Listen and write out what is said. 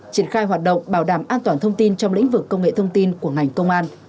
triển khai hoạt động bảo đảm an toàn thông tin trong lĩnh vực công nghệ thông tin của ngành công an